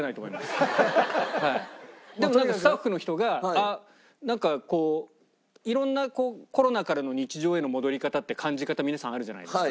でもなんかスタッフの人がなんかこう色んなこうコロナからの日常への戻り方って感じ方皆さんあるじゃないですか。